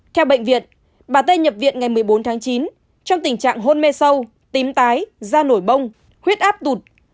theo bệnh viện bà tây nhập viện ngày một mươi bốn tháng chín trong tình trạng hôn mê sâu tím tái da nổi bông huyết áp tụt